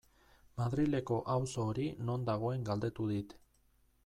Madrileko auzo hori non dagoen galdetu dit.